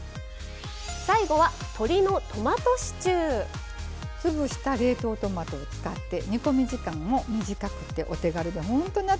最後は潰した冷凍トマトを使って煮込み時間も短くてお手軽でほんと夏